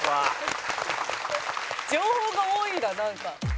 情報が多いななんか。